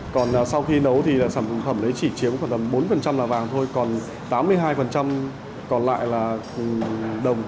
còn sau khi nấu thì sản phẩm đấy chỉ chiếm khoảng tầm bốn là vàng thôi còn tám mươi hai còn lại là đồng